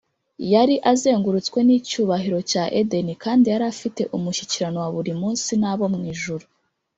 . Yari azengurutswe n’icyubahiro cya Edeni, kandi yari afite umushyikirano wa buri munsi n’abo mwijuru.